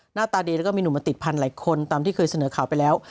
หน้าตาดีแล้วก็มีหนุ่มมาติดพันธุ์หลายคนตามที่เคยเสนอข่าวไปแล้ว